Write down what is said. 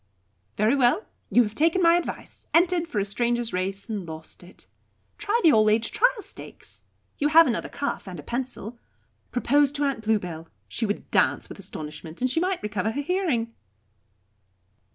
Very well; you have taken my advice, entered for a Stranger's Race and lost it. Try the All aged Trial Stakes. You have another cuff, and a pencil. Propose to Aunt Bluebell; she would dance with astonishment, and she might recover her hearing."